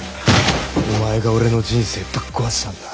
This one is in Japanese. お前が俺の人生ぶっ壊したんだ。